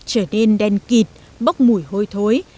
trở nên đen kịt bốc mùi hôi thối